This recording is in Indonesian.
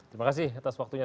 terima kasih atas waktunya